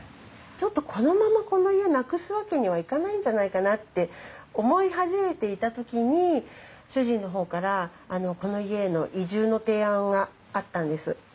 ちょっとこのままこの家なくすわけにはいかないんじゃないかなって思い始めていた時に主人の方からこの家への移住の提案があったんです。